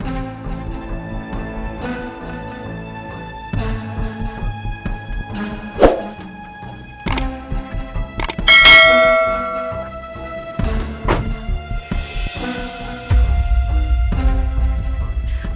makasih untuk semuanya